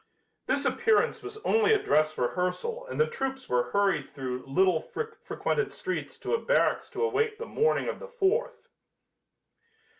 This appearance was only a dress rehearsal and the troops were hurried through little frequented streets to a barracks to await the morning of the Fourth.